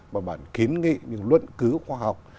một bản kiến nghị những luận cứu khoa học